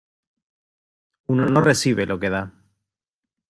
uno no recibe lo que da.